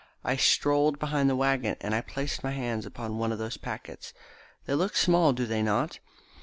I strolled behind the waggon, and I placed my hands upon one of those packets. They look small, do they not?